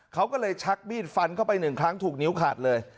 เขาก็เลยชักมีดฟันเข้าไปหนึ่งครั้งถูกนิ้วขาดเลย